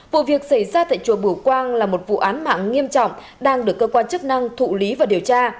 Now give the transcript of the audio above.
vụ việc xảy ra tại chùa bửu quang là một vụ án mạng nghiêm trọng đang được cơ quan chức năng thụ lý và điều tra